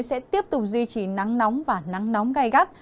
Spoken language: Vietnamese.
sẽ tiếp tục duy trì nắng nóng và nắng nóng gai gắt